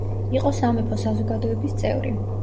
იყო სამეფო საზოგადოების წევრი.